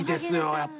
やっぱり。